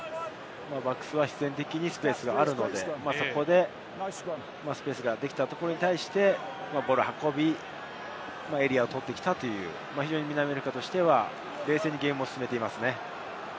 バックスは必然的にスペースがあるので、スペースができたところに対してボールを運び、エリアを取ってきた南アフリカとしては冷静にゲームを進めていますね。